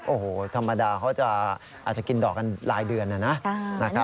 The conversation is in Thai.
โอ้โหธรรมดาเขาอาจจะกินดอกกันรายเดือนนะนะ